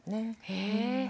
へえ！